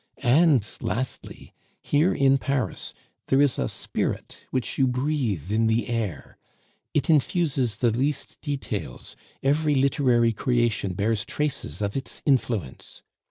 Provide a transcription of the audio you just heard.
And lastly, here in Paris there is a spirit which you breathe in the air; it infuses the least details, every literary creation bears traces of its influence.